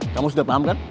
kamu sudah paham kan